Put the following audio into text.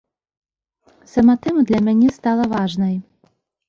Сама тэма для мяне стала важнай.